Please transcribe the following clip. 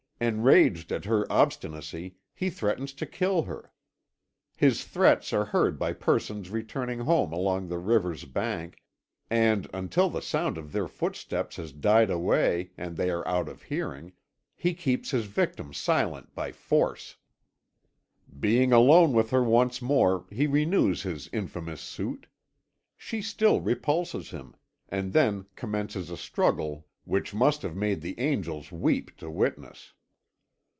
Enraged at her obstinacy, he threatens to kill her; his threats are heard by persons returning home along the river's bank, and, until the sound of their footsteps has died away and they are out of hearing, he keeps his victim silent by force. "Being alone with her once more, he renews his infamous suit. She still repulses him, and then commences a struggle which must have made the angels weep to witness.